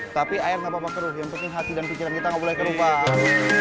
tapi air gak apa apa keruh yang penting hati dan pikiran kita nggak boleh ke rumah